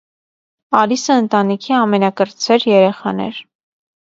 Ալիսը ընտանիքի ամենակրտսեր երեխան էր։